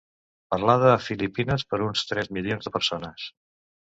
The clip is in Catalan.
Parlada a Filipines per uns tres milions de persones.